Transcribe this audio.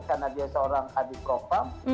karena dia seorang adik ropam